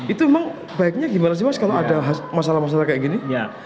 itu memang baiknya gimana sih mas kalau ada masalah masalah kayak gini